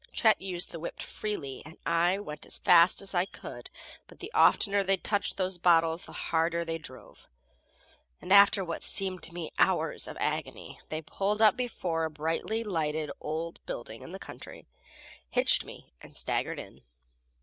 Chet used the whip freely, and I went as fast as I could; but the oftener they touched those bottles the harder they drove. After what seemed to me hours of agony, they pulled up before a brilliantly lighted old building out in the country, hitched me and staggered in.